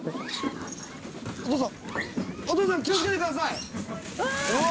お父さんお父さん気をつけてくださいうわ